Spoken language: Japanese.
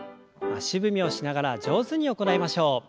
足踏みをしながら上手に行いましょう。